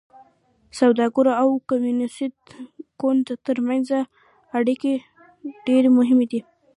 سوداګرو او کمونېست ګوند ترمنځ اړیکې ډېرې مهمې دي.